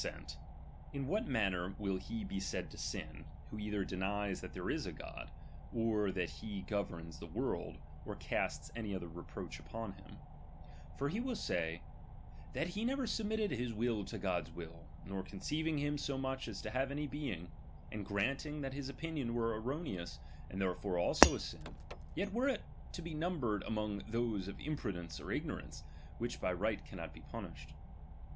sent ; in what mauiier will he be said to sin, who *'' either denies that there is a God, or that he jrovenis ndirr wliBt ,,, 1 ,.., ndotmnsthB. the world, or casts any other reproach upon himP For he will say : that fie never submitted his witi to Gods will, not conceiving him so much as to have any being : and granting that his opinion were erroneous, and therefore also a sin, yet were it to be numbered among those of impru dence or ignorance, which by right cannot be punished.